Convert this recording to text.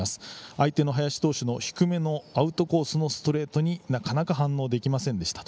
相手の林投手の低めのアウトコースのストレートになかなか反応できませんでした。